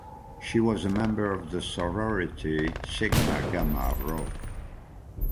She was a member of the sorority Sigma Gamma Rho.